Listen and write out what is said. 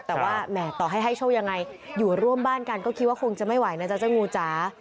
แต่ว่าแหมต่อให้ให้โชคยังไงอยู่ร่วมบ้านกันก็คิดว่าคงจะไม่ไหวนะจ๊ะเจ้างูจ๋า